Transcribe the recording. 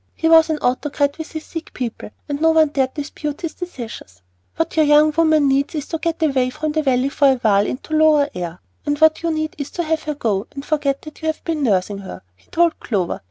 He was an autocrat with his sick people, and no one dared dispute his decisions. "What your young woman needs is to get away from the Valley for a while into lower air; and what you need is to have her go, and forget that you have been nursing her," he told Clover.